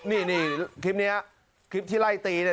นี่คลิปนี้คลิปที่ไล่ตีเนี่ย